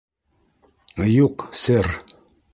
— Юҡ, сэр.